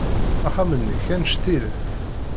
Axxam-nnek anect ila-t.